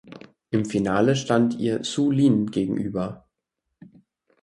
Im Finale stand ihr Zhu Lin gegenüber.